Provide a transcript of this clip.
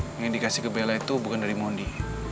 yang dikasih ke bella itu bukan dari mondi